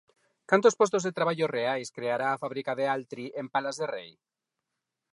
Cantos postos de traballo reais creará a fábrica de Altri en Palas de Rei?